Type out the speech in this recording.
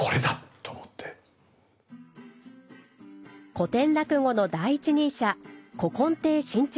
古典落語の第一人者古今亭志ん朝さん。